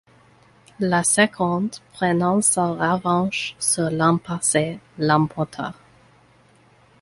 La seconde, prenant sa revanche sur l'an passé, l'emporta.